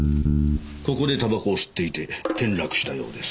ここでタバコを吸っていて転落したようです。